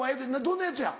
どんなやつや？